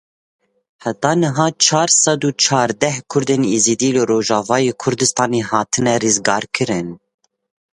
Heta niha çar sed û çardeh Kurdên Êzidî li Rojavayê Kurdistanê hatine rizgarkirin.